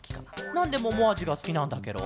なんでももあじがすきなんだケロ？